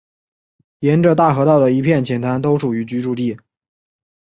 沿着大河道的一片浅滩都属于居住地。